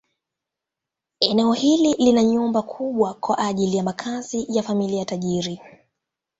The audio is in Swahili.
Eneo hili lina nyumba kubwa kwa ajili ya makazi ya familia tajiri.